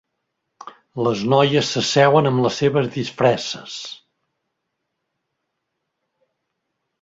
Les noies s'asseuen amb les seves disfresses.